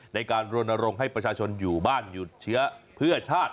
ในการรวณรองให้ประชาชนอยู่บ้านอยู่เฉียเพื่อชาติ